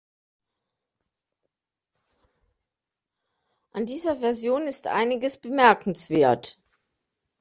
An dieser Version ist einiges bemerkenswert.